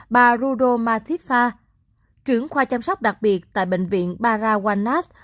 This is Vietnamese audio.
bà rudol mathifa trưởng khoa chăm sóc đặc biệt tại bệnh viện parawanath